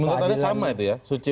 menuntutnya sama itu ya